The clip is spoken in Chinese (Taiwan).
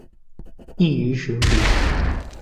易於馴服